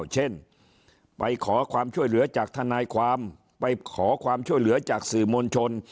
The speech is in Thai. เช่นไปขอความช่วยเหลือจากทนายความไปขอความช่วยเหลือจากสื่อมวลชน